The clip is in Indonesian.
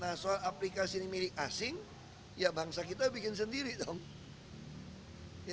nah soal aplikasi ini milik asing ya bangsa kita bikin sendiri dong